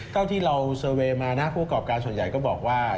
เท่าที่เราเซอร์เวย์มานะผู้ประกอบการส่วนใหญ่ก็บอกว่า